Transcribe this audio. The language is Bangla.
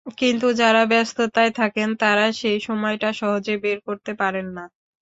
কিন্তু যাঁরা ব্যস্ততায় থাকেন তাঁরা সেই সময়টা সহজে বের করতে পারেন না।